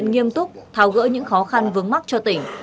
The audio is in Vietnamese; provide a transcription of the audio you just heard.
giúp thao gỡ những khó khăn vướng mắc cho tỉnh